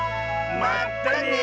まったね！